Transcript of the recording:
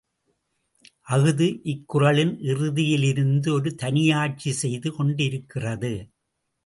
அஃது இக் குறளின் இறுதியிலிருந்து ஒரு தனியாட்சி செய்து கொண்டிருக்கிறது.